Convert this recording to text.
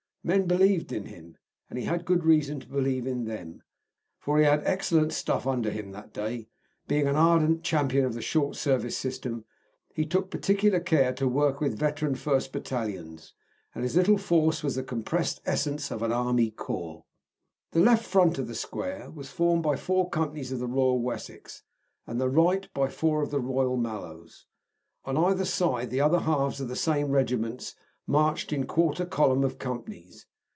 His men believed in him, and he had good reason to believe in them, for he had excellent stuff under him that day. Being an ardent champion of the short service system, he took particular care to work with veteran first battalions, and his little force was the compressed essence of an army corps. The left front of the square was formed by four companies of the Royal Wessex, and the right by four of the Royal Mallows. On either side the other halves of the same regiments marched in quarter column of companies.